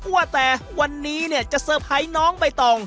ว่าแต่วันนี้เนี่ยจะเซอร์ไพรส์น้องใบตอง